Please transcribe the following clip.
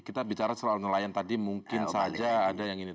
kita bicara soal nelayan tadi mungkin saja ada yang ini